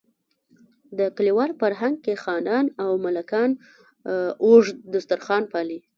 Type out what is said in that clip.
په کلیوال فرهنګ کې خانان او ملکان اوږد دسترخوان پالي.